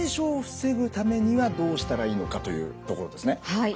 はい。